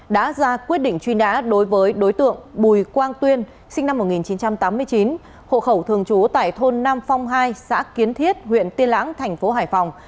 đã ra quyết định truy nã đối với đối tượng bùi quang tuyên sinh năm một nghìn chín trăm tám mươi chín hộ khẩu thường trú tại thôn nam phong hai xã kiến thiết huyện tiên lãng thành phố hải phòng